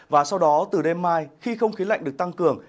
và sau đó từ đêm mai khi không khí lạnh được tăng cường